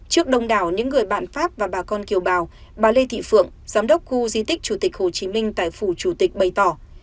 trước đông đảo những người bạn pháp và bà con kiều bào bà lê thị phượng giám đốc khu di tích chủ tịch hồ chí minh tại phủ chủ tịch bày tỏ